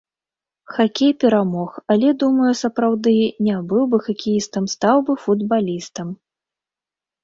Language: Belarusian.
Хакей перамог, але думаю, сапраўды, не быў бы хакеістам, стаў бы футбалістам.